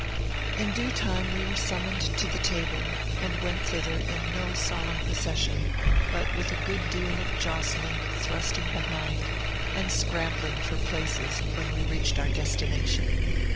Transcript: In due time we were summoned to the table, and went thither in no solemn procession, but with a good deal of jostling, thrusting behind, and scrambling for places when we reached our destination.